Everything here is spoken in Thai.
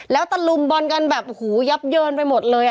แล้วตะลุมบอลกันแบบโอ้โหยับเยินไปหมดเลย